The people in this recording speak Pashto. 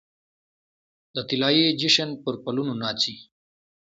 د طلايې جشن پرپلونو ناڅي